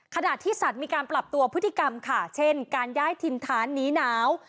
ขณะที่สัตว์มีการปรับตัวพฤติกรรมค่ะเช่นการย้ายถิ่นฐานหนีหนาว